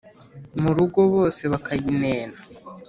Mu rugo bose bakayinena,